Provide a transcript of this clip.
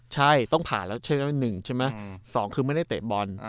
ใช่ต้องผ่านแล้วใช่ไหม๑ใช่ไหม๒คือไม่ได้เตะบอล